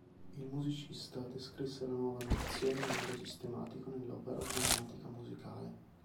Il musicista descrisse la nuova notazione in modo sistematico nell'opera "Grammatica musicale".